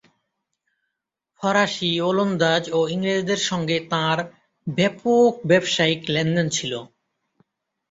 ফরাসি, ওলন্দাজ ও ইংরেজদের সঙ্গে তাঁর ব্যাপক ব্যবসায়িক লেনদেন ছিল।